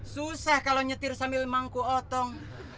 susah kalau nyetir sambil mangku otong